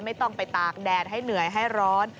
ไม่ต้องไปตากแดดให้เหนื่อยให้ร้อน